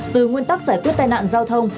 từ nguyên tắc giải quyết tai nạn giao thông